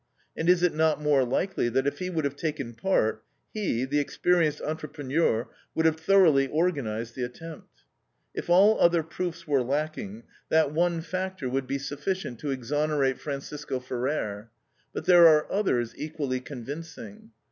And is it not more likely that if he would have taken part, he, the experienced ENTREPRENEUR, would have thoroughly organized the attempt? If all other proofs were lacking, that one factor would be sufficient to exonerate Francisco Ferrer. But there are others equally convincing.